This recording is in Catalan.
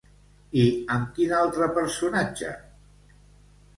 I amb quin altre personatge?